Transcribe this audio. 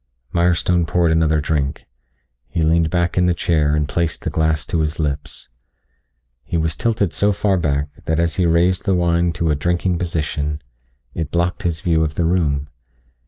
Mirestone poured another drink. He leaned back in the chair and placed the glass to his lips. He was tilted so far back that as he raised the wine to a drinking position, it blocked his view of the room.